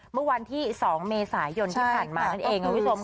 เมื่อวันที่๒เมษายนที่ผ่านมานั่นเองค่ะวิศมค่ะ